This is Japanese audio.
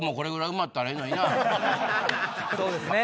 そうですね。